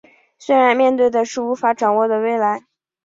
虽然面对的是无法掌握的未来